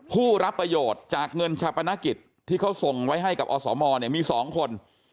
ผู้รับประโยชน์จากเงินชาปนกิจที่เขาส่งไว้ให้กับอสมมี๒คน